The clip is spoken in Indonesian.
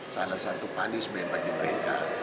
salah satu punishment bagi mereka